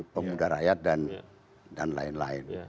pemuda rakyat dan lain lain